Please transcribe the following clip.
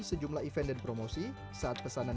sejumlah event dan promosi saat pesanan